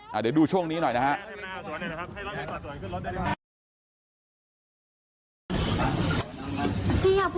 เดี๋ยวดูช่วงนี้หน่อยนะฮะ